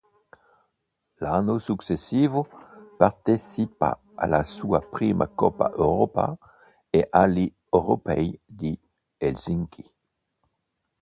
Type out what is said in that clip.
L'anno successivo partecipa alla sua prima Coppa Europa e agli Europei di Helsinki.